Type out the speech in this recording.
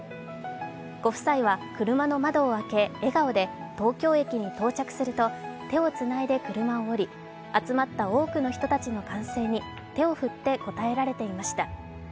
ご夫妻は車の窓を開け、笑顔で東京駅に到着すると、手をつないで車を降り集まった多くの人たちの歓声に手を振って応えられていました。